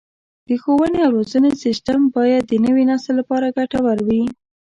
د ښوونې او روزنې سیستم باید د نوي نسل لپاره ګټور وي.